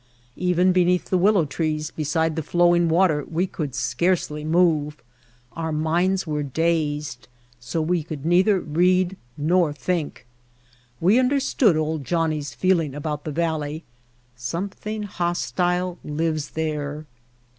Even be neath the willow trees beside the flowing water we could scarcely move, our minds were dazed so we could neither read nor think. We under stood "Old Johnnie's" feeling about the valley. Something hostile lives there.